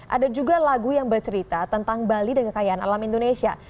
ada juga lagu yang bercerita tentang bali dan kekayaan alam indonesia